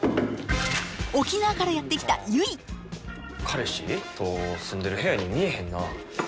沖縄からやって来た彼氏と住んでる部屋に見えへんな。